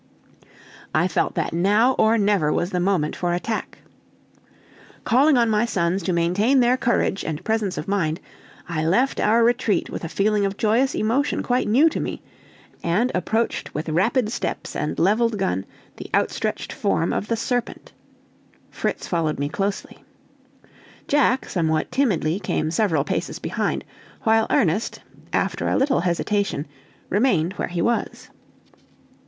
I felt that now or never was the moment for attack! Calling on my sons to maintain their courage and presence of mind, I left our retreat with a feeling of joyous emotion quite new to me, and approached with rapid steps and leveled gun the outstretched form of the serpent. Fritz followed me closely. Jack, somewhat timidly, came several paces behind; while Ernest, after a little hesitation, remained where he was.